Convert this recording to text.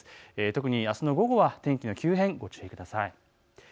特にあすの午後は天気の急変にご注意ください。